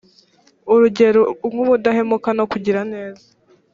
urugero nk ubudahemuka no kugira neza